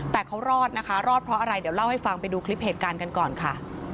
แต่เขารอดนะคะรอดเพราะอะไรเดี๋ยวเล่าให้ฟังไปดูคลิปเหตุการณ์กันก่อนค่ะ